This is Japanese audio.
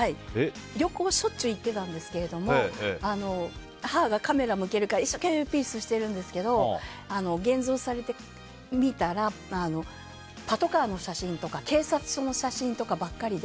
旅行、しょっちゅう行ってたんですけど母がカメラを向けるから一生懸命ピースするんですけど現像されて見たらパトカーの写真とか警察署の写真ばっかりで。